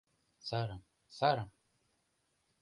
Сарым, сарым!